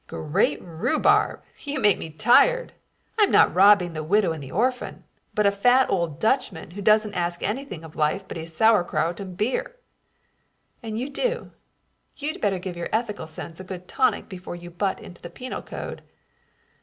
"Great rhubarb! You make me tired. I'm not robbing the widow and the orphan, but a fat old Dutchman who doesn't ask anything of life but his sauerkraut and beer." "And you do! You'd better give your ethical sense a good tonic before you butt into the penal code."